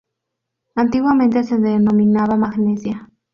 Antiguamente se denominaba magnesia.